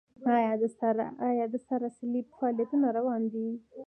آیا د سره صلیب فعالیتونه روان دي؟